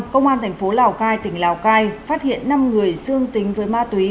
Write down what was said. công an tp lào cai tỉnh lào cai phát hiện năm người xương tính với ma túy